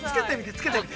◆つけてみて。